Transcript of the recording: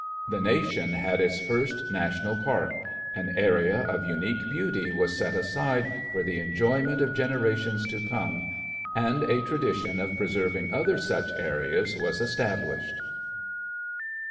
The Nation had its first National Park; an area of unique beauty was set aside for the enjoyment of generations to come, and a tradition of preserving other such areas was established.